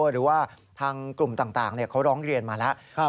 หรือว่าทางกลุ่มต่างเขาร้องเรียนมาแล้ว